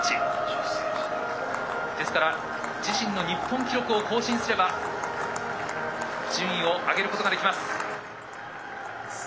ですから自身の日本記録を更新すれば順位を上げることができます」。